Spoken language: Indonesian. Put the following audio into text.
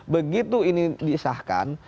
begitu ini disahkan